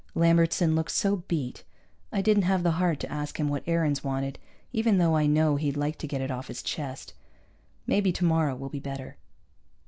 Lambertson looked so beat. I didn't have the heart to ask him what Aarons wanted, even though I know he'd like to get it off his chest. Maybe tomorrow will be better.